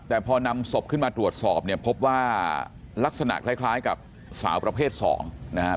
แต่พอนำศพขึ้นมาตรวจสอบเนี่ยพบว่าลักษณะคล้ายกับสาวประเภท๒นะครับ